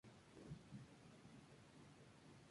Urien domina el elemento Tierra, Electricidad y Espejo.